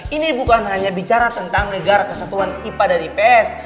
ini bukan hanya bicara tentang negara kesatuan ipa dari ips